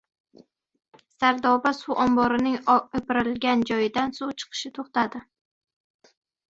«Sardoba» suv omborining o‘pirilgan joyidan suv chiqishi to‘xtadi